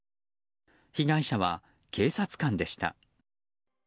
被害者は、警察官でした。